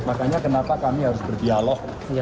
makanya kenapa kami harus berdialog